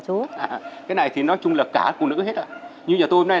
tức là các cụ nói như vậy